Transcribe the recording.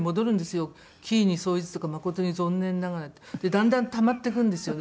だんだんたまっていくんですよね